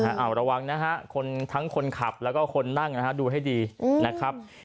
เอาระวังนะฮะคนทั้งคนขับแล้วก็คนนั่งนะฮะดูให้ดีนะครับ